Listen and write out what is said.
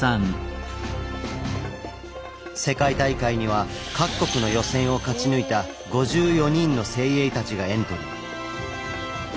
世界大会には各国の予選を勝ち抜いた５４人の精鋭たちがエントリー。